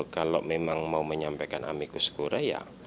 kalau memang mau menyampaikan amikus korea ya